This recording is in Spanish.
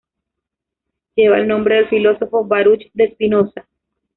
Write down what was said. Lleva el nombre del filósofo Baruch de Spinoza.